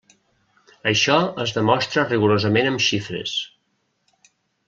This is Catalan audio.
Això es demostra rigorosament amb xifres.